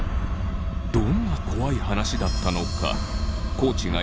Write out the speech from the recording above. どんな怖い話だったのか。